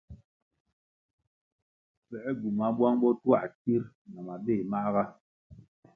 Pfęr gywumah buang botuah tsir na mabéh mahga.